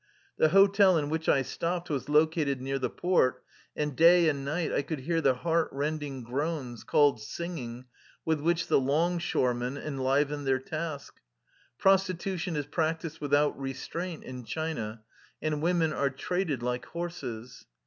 The hotel in which I stopped was located near the port, and day and night I could hear the heart rending groans, called singing, with which the " longshoremen " enliven their task. Prostitution is practised without restraint in China, and women are traded like horses.